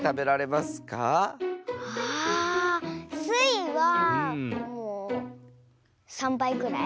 あっスイはもう３ばいぐらい。